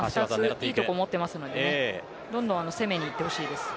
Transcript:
今いい所を持っていますのでどんどん攻めに行ってほしいです。